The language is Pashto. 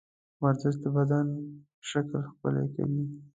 ورزش د بدن شکل ښکلی کوي.